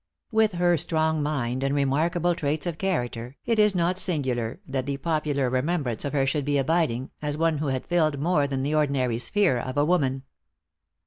With her strong mind and remarkable traits of character, it is not singular that the popular remembrance of her should be abiding, as of one who had filled more than the ordinary sphere of a woman.